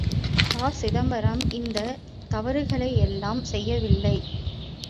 ப.சிதம்பரம் இந்தத் தவறுகளையெல்லாம் செய்யவில்லை.